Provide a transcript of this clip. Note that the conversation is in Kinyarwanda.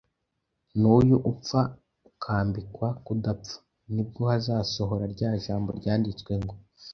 n’uyu upfa ukambikwa kudapfa, ni bwo hazasohora rya jambo ryanditswe ngo,